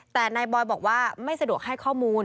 แต่นายบอยบอกว่าไม่สะดวกให้ข้อมูล